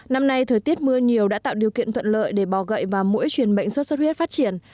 năm nay thời tiết mưa nhiều đã tạo điều kiện thuận lợi để bỏ gậy và mũi truyền bệnh suốt suốt huyết phát triển